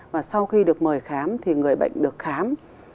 và sau khi được mời khám thì người bệnh được khám